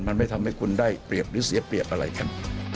มันไม่ทำให้คุณได้เปรียบหรือเสียเปรียบอะไรกัน